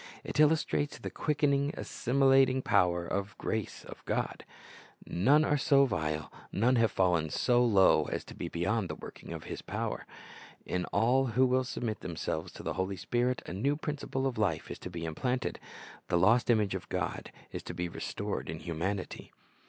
It illustrates the quickening, assimilating power of the grace ot God None are so vile, none have fallen so low, as to be beyond the working of this power. In all who will submit themselves to the Holy Spirit a new principle of life is to be implanted; the lost image of God is to be restored in humanity.